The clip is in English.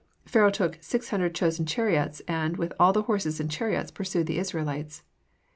Pharaoh took "six hundred chosen chariots" and "with all the horses and chariots" pursued the Israelites.